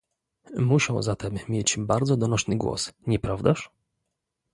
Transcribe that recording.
musiał zatem mieć bardzo donośny głos, nieprawdaż?